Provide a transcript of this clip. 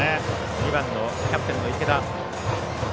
２番のキャプテンの池田。